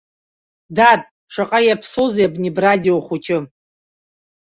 Дад, шаҟа иаԥсоузеи абни, брадио хәыҷы?